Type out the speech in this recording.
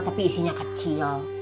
tapi isinya kecil